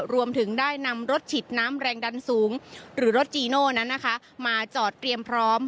รวมถึงได้นำรถฉีดน้ำแรงดันสูงหรือรถจีโน่นั้นนะคะมาจอดเตรียมพร้อม